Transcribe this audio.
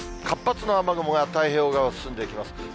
活発な雨雲が太平洋側を進んでいきます。